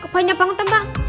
kok pengen nyapang utama